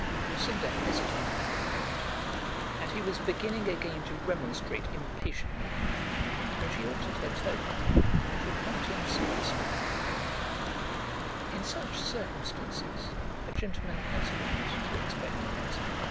Lucinda hesitated for a moment, and he was beginning again to remonstrate impatiently, when she altered her tone, and replied to him seriously, "In such circumstances a gentleman has a right to expect an answer."